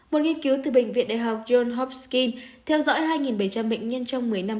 một nghiên cứu từ bệnh viện đại học yon hovsky theo dõi hai bảy trăm linh bệnh nhân trong một mươi năm